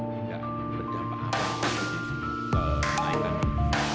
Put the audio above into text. tidak berdampak apa apa ke nai kanan